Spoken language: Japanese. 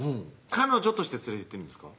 彼女として連れていってるんですか？